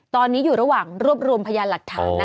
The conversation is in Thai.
ตอนนี้อยู่ระหว่างรวบรวมพยานหลักฐานนะ